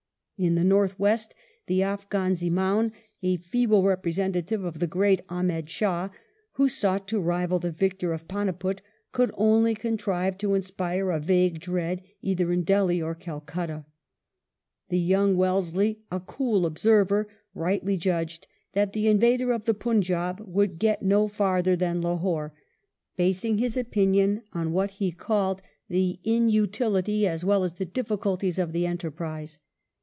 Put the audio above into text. In the north west the Afghan Zemaun, a feeble repre sentative of the great Ahmed Shah, who sought to rival the victor of Paniput, could only contrive to inspire a vague dread either in Delhi or Calcutta. The young Wellesley, a cool observer, rightly judged that the invader of the Punjab would get no farther than Lahore, basing his opinion on what he called the 24 WELLINGTON inutility as well as the difficulties of the enterprise.